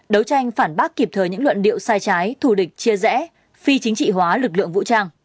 đấu tranh phản bác kịp thời những luận điệu sai trái thù địch chia rẽ phi chính trị hóa lực lượng vũ trang